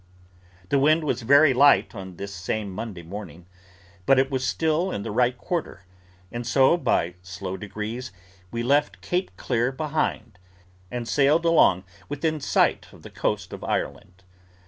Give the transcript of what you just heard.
The wind was very light on this same Monday morning, but it was still in the right quarter, and so, by slow degrees, we left Cape Clear behind, and sailed along within sight of the coast of Ireland.